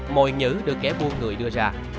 mội nhữ được kẻ buôn người đưa ra